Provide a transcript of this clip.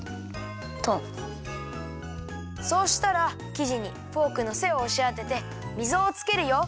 そうしたらきじにフォークのせをおしあててみぞをつけるよ。